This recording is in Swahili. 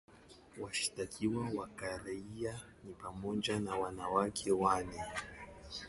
Washtakiwa wa kiraia ni pamoja na wanawake wanne.